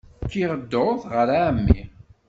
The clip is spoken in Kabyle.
Kkiɣ dduṛt ɣer ɛemmi.